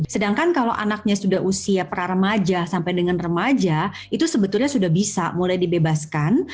sedangkan kalau anaknya sudah usia praremaja sampai dengan remaja itu sebetulnya sudah bisa mulai dibebaskan